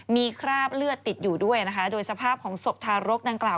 มีคราบเลือดติดอยู่ด้วยนะคะโดยสภาพของศพทารกดังกล่าว